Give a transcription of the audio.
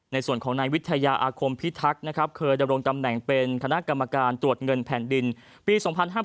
ในส่วนของนายวิทยาอาคมพิทักษ์นะครับเคยดำรงตำแหน่งเป็นคณะกรรมการตรวจเงินแผ่นดินปี๒๕๕๘